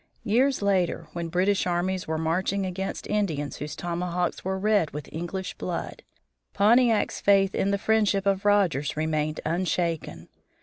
Years later, when British armies were marching against Indians whose tomahawks were red with English blood, Pontiac's faith in the friendship of Rogers remained unshaken.